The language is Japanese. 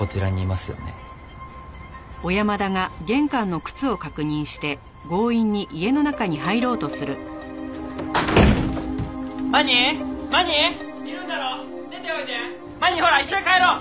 まにほら一緒に帰ろう！